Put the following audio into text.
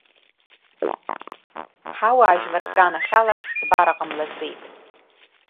Ҳауаажәлар рганахьала ԥсҭбара ҟамлаӡеит.